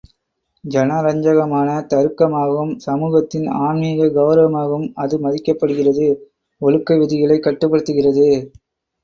ஜனரஞ்சகமான தருக்கமாகவும், சமூகத்தின் ஆன்மீக கெளரவமாகவும் அது மதிக்கப்படுகிறது, ஒழுக்க விதிகளைக் கட்டுப்படுத்துகிறது.